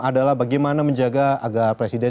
adalah bagaimana menjaga agar presiden